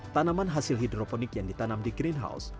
tanaman hasil hidroponik yang ditanam di greenhouse